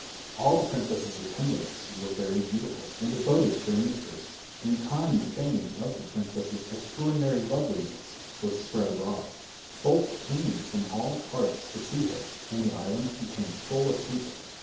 All the princess's attendants were very beautiful, and devoted to their mistress. In time the fame of the princess's extraordinary loveliness was spread abroad. Folk came from all parts to see her, and the island became full of people.